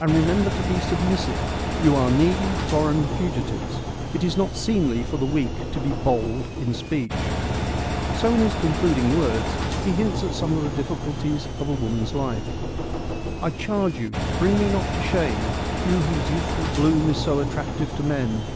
And remember to be submissive — you are needy foreign fugitives — it is not seemly for the weak to be bold in speech. So in his concluding words he hints at some of the difficulties of a woman's life : F 74 FEMINISM IN GREEK LITERATURE I charge you, bring me not to shame, you whose youthful bloom is so attractive to men.